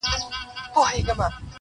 هري درې مياشتي ميدان كي غونډېدله٫